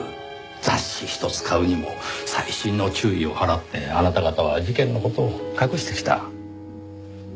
雑誌一つ買うにも細心の注意を払ってあなた方は事件の事を隠してきた。